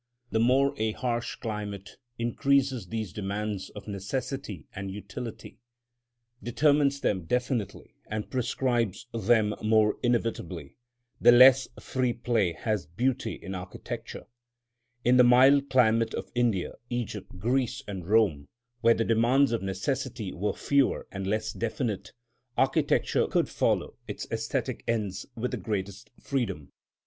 The more a harsh climate increases these demands of necessity and utility, determines them definitely, and prescribes them more inevitably, the less free play has beauty in architecture. In the mild climate of India, Egypt, Greece, and Rome, where the demands of necessity were fewer and less definite, architecture could follow its æsthetic ends with the greatest freedom.